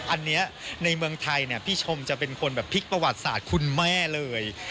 อันนี้ในเมืองไทยพี่ชมจะเป็นคนแบบพลิกประวัติศาสตร์คุณแม่เลย